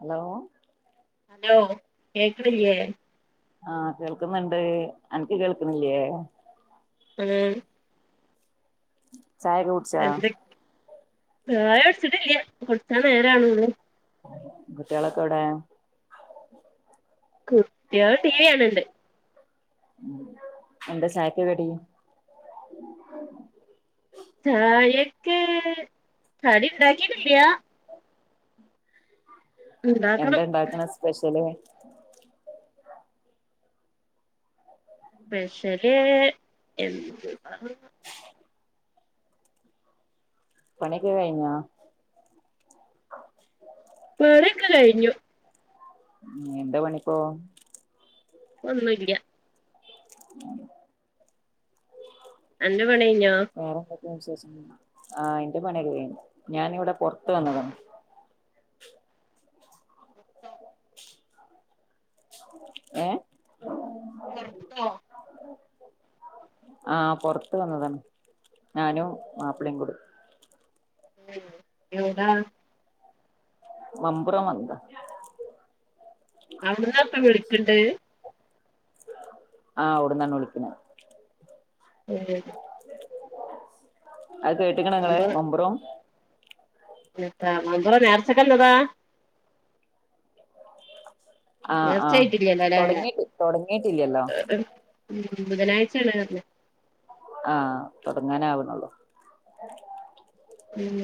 Hello hello കേക്കണില്ലെ ആഹ് കേൾക്കുന്നുണ്ട് അനിക്ക് കേൾക്കുന്നില്ലേ ഉം [inaudible] ചായക്ക കുടിച്ച എന്തൊ ചായ കുടിച്ചിട്ടില്ല കുടിക്കാൻ നേരം ആവേണേള്ളൂ കുട്ടികളൊക്കെ എവിട കുട്ടികൾ ടീവിയാണുണ്ട് എന്താ ചായക്ക് കടി ചായക്ക് കടി ഉണ്ടാക്കിട്ടില്യ ഉണ്ടാക്കണം എന്താ ഇണ്ടാക്കണ സ്പെഷ്യല് സ്പെഷ്യല് എന്തുവ പണിക്ക കയിഞ്ഞ പിണിക്കെ കഴിഞ്ഞു ഉ എന്താ പണിപ്പോ ഒന്നും ഇല്ല്യ [unintelligible] അന്റെ പണികയിഞ്ഞോ എസ് എസ് ആ എന്റെ പണിയൊക്കെ കയിഞ് ഞാനിവിടെ പൊറത്ത് വന്നതാണ് ഏ [unintelligible] ആഹ പാെറത്ത് വന്നതാണ് ഞാനും മാപ്പിളയും കൂടെ ഉം എവിടാ മമ്പുറം വന്നതാ അവിടന്നാ ഇപ്പ വിളിക്കണ്ട് ആഹ് അവിടന്നാണ് വിളിക്കുന്ന ഉം അത് കേട്ടിക്കണ നിങ്ങള് മമ്പുറം ഇത്ത മമ്പുറം നേർച്ചക്ക് വന്നതാ ആഹ ആഹ തുടങ്ങിട്ട് തുടങ്ങിട്ടില്ലല്ലോ ബുധനാഴ്ച ണ് ർ ഞ് ആഹ് തുടങ്ങാന് ആവണുള്ളൂ ഉം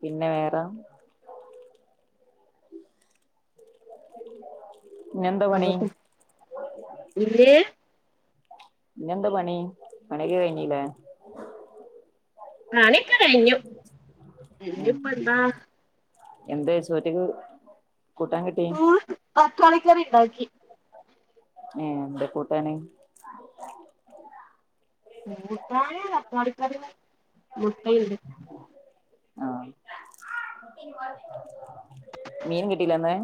പിന്നെ വേറെ ഉം [unintelligible] പിന്നെന്താ പണി പണിയക്കെ കഴിഞ്ഞില്ലേ പണി കയ്ഞ്ഞു ഇഞ്ഞ് ഇപ്പ എന്താ എന്തേ ചോറ്റ്ക്ക് കൂട്ടാൻ കിട്ടി ക്കാളിക്കറി ഇണ്ടാക്കി ഏ എന്ത കൂട്ടാന് കൂട്ടാന തക്കാളിക്കറി മുട്ടയ്ണ്ട് ആഹ് മീൻ കിട്ടീല്ല ന്ന്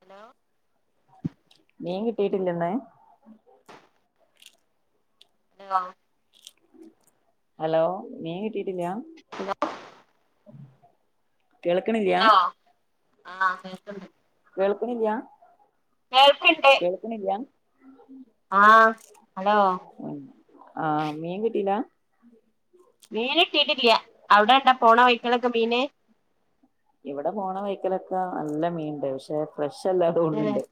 ഹലോ മീൻ കിട്ടീട്ട്ല്ലന്ന് [unintelligible] ഹലോ മീ കിട്ടീട്ടില്ല കേൾക്കിണില്യാ ആഹ് കേക്ക് ണ്ട് കേൾക്ണില്യാ കേൾക്ണില്ല്യാ ഉ ആഹ് ഹലോ ആഹ് മീൻ കിട്ടീല മീൻ കിട്ടീട്ടില്ല അവിടെ ഇണ്ടോ പോണ വൈക്കലൊക്കെ മീന് ഇവിടെ പോണ വൈക്കലൊക്കെ നല്ല മീണ്ട് പക്ഷെ ഫ്രഷ അല്ലാത തോണ് ഏ ണ് ണ്ട്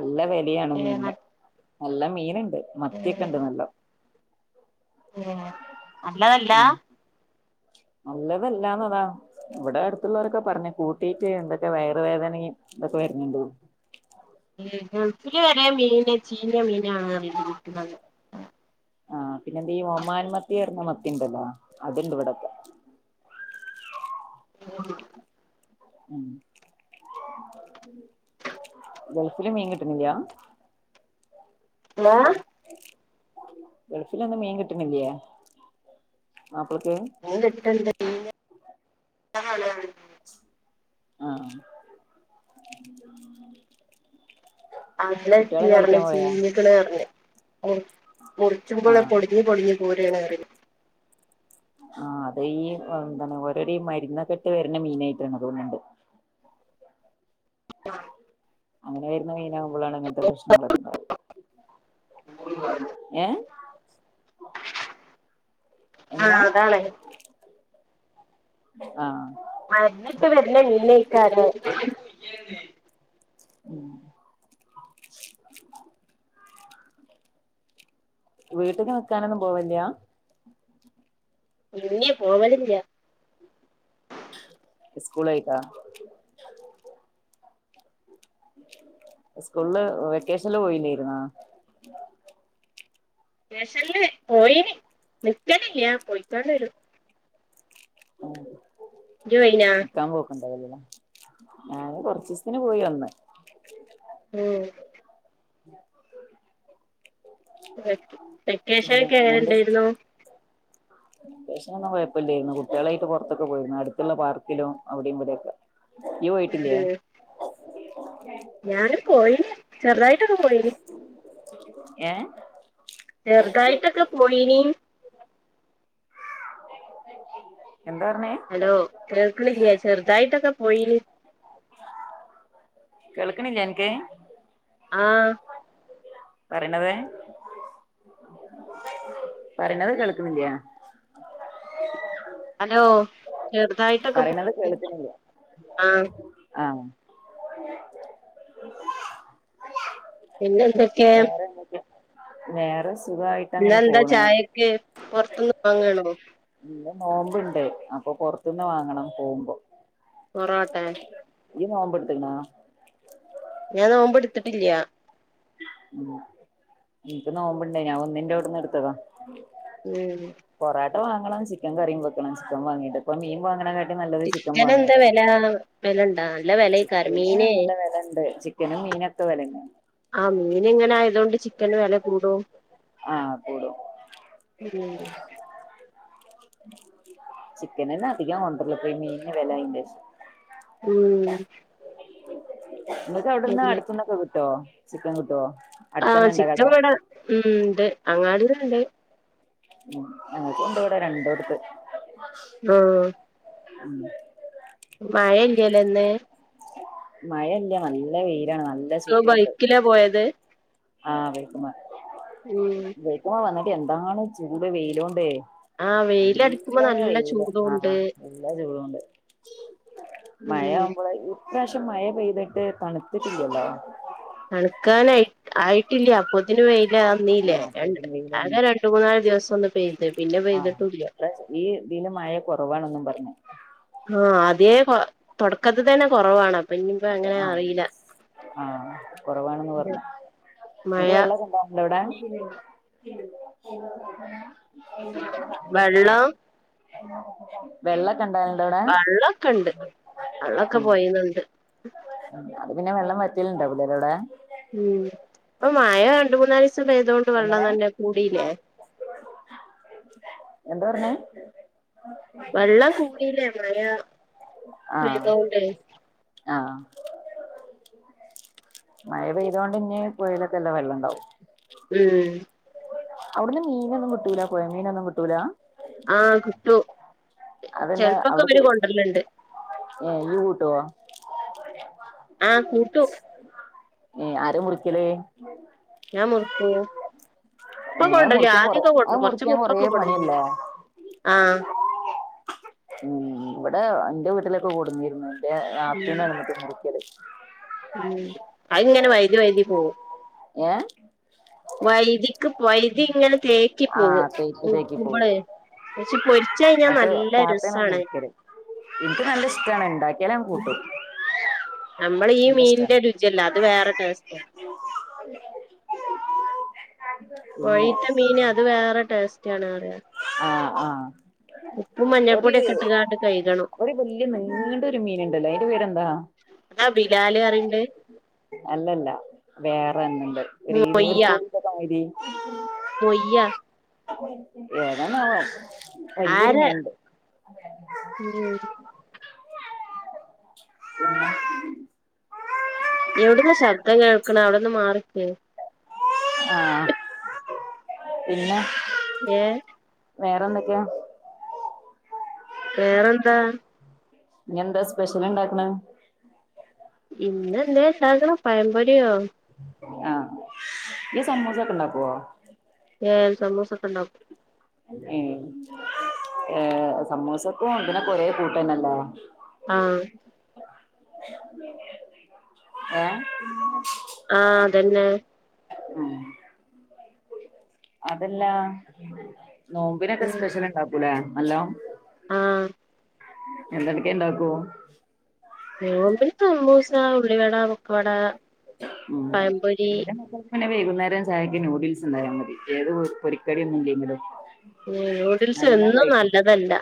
നല്ല വെലിയാണ് ഏ മീൻന് നല്ല മീന് ണ്ട് ഏ മത്തിയൊക്കെണ്ട് നല്ലോ ഏ നല്ലതല്ലാ നല്ലതല്ലാന്ന അതാ ഇവിടെ അടുത്തുള്ളവരൊക്കെ പറഞ്ഞ് കൂട്ടിട്ട് എന്തൊക്കെ വയറ് വേദനിം ഇതൊക്കെ വരുന്നുണ്ട് ഏ ഇത് വരെ മീന ചീഞ്ഞ മീനാണ് റഞ്ഞ് ആഹ് പിന്നെ ഈ ഒമാൻ മത്തിയർണ മത്തി ത്തിണ്ടല്ലോ അതുണ്ട് ടപ്പ [inaudible] ഗൾഫില് മീൻ കിട്ടുന്നില്ല ഹലോ ഗൾഫിലൊന്നും മീൻ കിട്ടണില്ലേ പ്പൊക്കേ പിന്നെ ആ അല്ല ത്തിറഞ്ഞഞ് ചീഞ്ഞിക് ണ് പറഞ്ഞു മുർച്ചുമ്പളെ ആഹ് പൊടിഞ്ഞ് പൊടിഞ്ഞ് പോ [inaudible] ആ അത് ഈ എന്താണ് ഓരോര് ഈ മരുന്നൊകെട്ട് വരുന്ന മീനായിട്ടാണ് തോന്ന്ണ്ട് ആ അങ്ങനെ വരുന്ന മീനാകുമ്പോളാണ് അങ്ങനത്തെ പ്രശ്നങ്ങളൊക്കെ ഉണ്ടാവും ഏ ആഹ് അതാണേ ആഹ് മരുന്നിട്ട് എന്ത്യേ ഉം വീട്ട്ക്ക് നിക്കാനൊന്നും പോവേല്യാ ല്ല്യ പോവലില്ല സ്കൂളായിട്ട സ്കൂള്ല് വെക്കേഷനില് പോയില്ലായിുന്നാ ക്കേഷനില് പോയിനി നിക്കലില്ല പോയിക്കാണ്ട് വരും ആ ഇജ്ജ് പോയിനാ ന്ക്കാമ്പോക്ക്ണ്ടാവൂല്ലലേ ഞാന് കൊറച്ചീസത്തിന് പോയി വന്ന് ഉം [unintelligible] പിന്നെ വെക്കേഷനോകെ എങ്ങനെ ഇങ്ങനത്തെ ഇണ്ടായിരുന്നു വെക്കേഷനൊന്നും കൊഴപ്പല്ലായിരുന്നു കുട്ട്യേളായിട്ട് പുറത്തൊക്കെ പോയിരുന്നു അടുത്തുള്ള പാർക്കിലും അവടിം ഇവിടെക്കെ ജ്ജ് പോയിട്ടില്ലേ ഞാന് പോയി ചെറുതായിട്ടൊക്ക പോയിനി ഏ ഉ എന്താ പറഞ്ഞേ ഹലോ കേൾക്ക്‌ണില്ലേ ചെറുതായിട്ടൊക്കെ പോയിനി കേൾക്ക്‌ണില്ലേ അൻക്ക് ആ പറിണത് പറിണത് കേൾക്ക്ണില്ലേ ഹലോ ചെറുതായിട്ടൊക്കെ പറയണത് കേൾക്കണില്ല ആ [inaudible] പിന്നെ എന്തൊക്കെ വേറെ എന്തൊക്കെ വേറെ സ് ഇന്ന് എന്താ ചായക്ക് പൊർത്ത്ന്ന് വാങ്ങാണോ ഇന്ന് നോമ്പ്ണ്ട് അപ്പൊ പൊർ പൊർത്ത്ന്ന് വാങ്ങണം പോകുമ്പോ പൊറോട്ടെ ഇയ്യ് നോമ്പ്ടുത്ത്ക്ക്ണോ ഞാൻ നോമ്പ് ഇട്ത്തിട്ടില്ല ഉ ൻക്ക് നോമ്പ്ണ്ട് ഞാൻ ഒന്നിന്റെ ഔട്ന്ന് എടുത്തതാ ഉം റാട്ട വാങ്ങണം ചിക്കൻ കറിയും വെക്കണം ചിക്കൻ വാങ്ങിട്ട് മീൻ വാങ്ങ്ണ റ്റം നല്ലത് ചിക്കൻ എന്താ വാങ്ങ്ണതെന്നെ വില വിലണ്ടാ നല്ല വിലയ്ക്കാരം ചിക്കന് മീന് നല്ല വെലണ്ട് ചിക്കനും മീനൊക്കെ വെലണ്ട് നി ങ്ങനെ ആയതോ [unintelligible] ചിക്കന് വെല കൂടും ആ കൂടും ഉം ചിക്കനന്നെ അധികം കൊണ്ടർല്ല് ഇപ്പൊ ഈ മീൻ ന് വെലായേന്റെഷം ഉം നമുക്ക്‌ അവിടന്ന് പിന്നെ അടുത്ത്ന്നൊക്കെ കിട്ട് ട്ടോ ചിക്കൻ കിട്ടോ ആ അടുത്തന്നെ ഇണ്ടോ ചിക്കൻ കട ഇവിടെ മ് ണ്ട് അങ്ങാടില് ണ്ട് അത് ഇണ്ട് വടെ രണ്ടോടുത്ത് ആ [inaudible] മഴ ഇല്ലലേ ഇന്ന് മഴ ഇല്ല നല്ല വെയില് ബൈക്കിലാ പോയത് ആ ബൈക്കുമ്മെ ഉം ബൈക്കുമ്മെ [unintelligible] എന്താണ് ചൂട് വെയിലോണ്ടേ ആ വെയിലടിക്കുമ്പോ നല്ലോണം നല്ല വെയില് ആ ചൂടുണ്ട് നല്ല ചൂടും ഇണ്ട് ഉം മഴയാവ്മ്പൾ ഇപ്രാവശ്യം മഴ പെയ്തിട്ട് തണുത്തിട്ടില്ലല്ലോ തണുക്കാനായി ആയിട്ടില്ല അപ്പൊത്തിൻ വെയി ഇല്ല ആഹ് [unintelligible] രണ്ട് അപ്പോത്തിന് വെയിലാണ് അകെ രണ്ട് മൂന്നാല് ദിവസം ഒന്ന് പെയ്ത് പിന്നെ ആഹ് പെയ്തിട്ടില്ല ഇപ്രാവശ്യം ഈ ഇതില് മഴ കുറവാണെന്നും പറഞ്ഞു ആ ആതേ കൊറ തൊട ആ അറിയില്ല ആ കൊറവാണ്ന്ന് പർഞ്ഞു അൻക്ക് മഴ വെള്ളൊക്കെ ഇണ്ടാവും ലെ അയുടെ ഉ [inaudible] വെള്ളം ആ വെള്ളൊക്കെ ഇണ്ടാകൽ ഇണ്ടോ അയുടെ വള്ളൊക്കെ പൊഴീന്ന്ണ്ട് ഉ [inaudible] പിന്നെ വെള്ളം വറ്റൽ ഇണ്ടാവുല ലെ അയുടെ ച്ച പെയ്തോണ്ട് വെള്ളം എങ്ങനെ തന്നെ കൂടി ലെ ഉ [inaudible] വെള്ളം കൂടിലെ മഴ ആഹ് പെയ്തോണ്ട്. ആഹ് മഴ പെയ്തൊണ്ട് ഇഞ് പുഴയിലൊക്കെ നല്ല വെള്ളം ഇണ്ടാവും ഉം അയുട്ന്ന് മീനൊന്നും കിട്ടൂലാ പൊഴ മീനൊന്നും കിട്ടൂലാ ആ കിട്ടും അതല്ല ചെൽപ്പൊക്കെ ഇവര് അവിടക്ക് കൊണ്ടര്ൽ ഇണ്ട് ഉ [inaudible] ആ കൂട്ടും ഏ ആരാ മുറിക്കല് ഞാൻ മുർക്കു ഏ അയ് മുറിക്കാൻ കൊറെ അയ് മുറിക്കാൻ കൊറെ മുമ്പൊക്കെ കൊടുന്നീനി പണിയല്ലെ ആഹ് ഏ ഇവടെ എന്റെ വീട്ടിലൊക്കെ കൊട്ന്നിര്ന്ന് ഇന്റെ ഉം നാത്തൂനാണ് ഇന്നട്ട് മുറിക്കൽ ഉം അയ് ഇങ്ങനെ വൈതി വൈതി പോവും ഏ വൈതി ക്ക് വൈതി ഇങ്ങനെ തേക്കി ആഹ് പോവും തേക്ക് തേക്കി പോവും നുർക്കുമ്പളെ പക്ഷെ പൊരിച്ച് കഴിഞ്ഞാ നല്ല രസാണ് ഇൻക്ക് നല്ല ഇഷ്ടാണ് ഇണ്ടാ നമ്മള് ഈ നല്ല മീനിന്റെ ഇഷ്ടാണ് രുചിയല്ല അത് വേറെ ടേസ്റ്റാ പിന്നെ പൊഴീത്ത മീന് അത് വേറെ ടേസ്റ്റാ ആണ് അറിയ ആ ഉപ്പും മഞ്ഞപ്പൊടിയൊക്കെ ഇട്ട്കാണ്ട് കഴുകണം ഒരു വല്യ നീണ്ട ഒരു മീനുണ്ടല്ലോ അയിന്റെ പേരെന്താ ആ ബിലാല് അറിനത് അല്ലല്ല വേറെന്ന്ണ്ട് ഒരു മൊയ്യ ഈർക്കൂലിന്റെ മാരി മൊയ്യ ഏതാണോവോ ആരാ ഉം [unintelligible] എവിട്ന്നാ ശബ്ദം കേൾക്ണേ അവിടെന്ന് മാറിക്ക് ആ പിന്നെ ഏ വേറെന്തൊക്കെയാ വേറെന്താ ഇഞ്എന്താ സ്പെഷ്യല് ഇണ്ടാക്ക്ണേ പിന്നെന്തേം ഇണ്ടാകണം പയംമ്പോരിയോ ആ ഇയ്യ് സമൂസക്കെ ഉണ്ടാക്കൊ ഏ സമൂസ ഒക്കെ ഉണ്ടാക്കും ഏ സമൂസക്കും ഇതിനൊക്കെ ഒരേ കൂട്ട്ന്നെല്ലേ ആ ഏ ആ അതന്നെ അ അതല്ലാ നോമ്പിനൊക്കെ സ്പെഷ്യല് ണ്ടാക്കൂലേ ഹലോ ആ എന്തക്കെ ഇണ്ടാക്കും നോമ്പിന് സമൂസ് ആ ഉള്ളി വട ഉം [unintelligible] നേരം ചായക്ക് നൂഡിൽസ് ഇണ്ടായ മതി ഏത് പൊരിക്കടി ഒന്നുംല്ലെങ്കിലും നൂഡിൽസ് എന്നും നല്ലതല്ല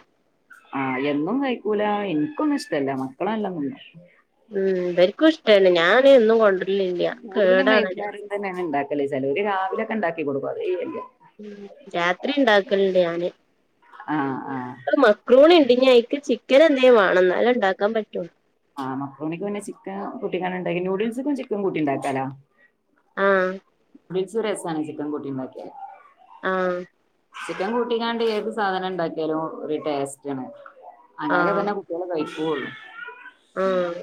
ആ എന്നും കഴിക്കൂല എൻക്കൊന്നും ഇഷ്ടല്ല മക്കള് നലോണം തിന്നും ഉം ബര്ക്കൂ ഇഷ്ടല്ല ഞാന് എന്നും കൊണ്ട് കൂടുതലും വൈന്നാരം തന്നെണ് ണ്ടാക്ക ല്ലേ ചേലോര് രാവിലൊക്കെ ഉണ്ടാക്കി കൊടുക്കും [unintelligible] ഉം രാത്രി ഉണ്ടാക്കലണ്ട് ഞാന് ആ അത് മക്രൂണി പിന്നെ അയ്ക്ക് ചിക്കൻ എന്തേ വാണം ന്നാലെണ്ടാക്കാൻ പറ്റൂ ആ മക്രോണിക്ക് പിന്നെ ചിക്കൻ കൂട്ടീങ്ങാണ്ട്ണ്ടാക്ക ന്യൂഡിൽസിക്കു ചിക്കൻ കുട്ടിണ്ടാക്കാലോ ആ നൂഡിൽസ് രസാണ് ചിക്കൻ കുട്ടിണ്ടാക്കിയാല് ആ ചിക്കൻ കൂട്ടിങ്ങാണ്ട് ഏത് സാധനം ണ്ടാക്കിയാലും ഒരു ടേസ്റ്റാണ്. അങ്ങനൊക്കെ ആഹ് തന്നെ കുട്ട്യാള് കഴി പോവൊള്ളു ആഹ്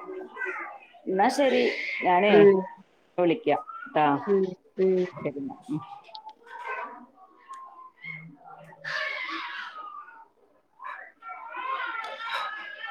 ഉം എന്നാ ശരി ഞാനേ ഉം വിളിക്കാം ഉം ഉം ട്ടാശരി ന്നാ ഉ